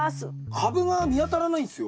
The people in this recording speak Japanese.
カブが見当たらないんすよ。